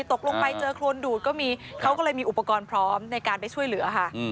ตกลงไปเจอโครนดูดก็มีเขาก็เลยมีอุปกรณ์พร้อมในการไปช่วยเหลือค่ะ